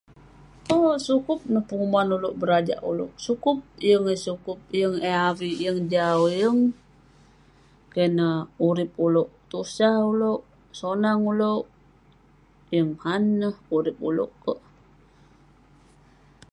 [unintelligible] sukup neh penguman ulouk, berajak ulouk. sukup, yeng eh sukup, yeng eh avik yeng jau, yeng. Keh neh urip ulouk. Tusah ulouk, sonang ulouk, yeng han neh. Urip ulouk kek.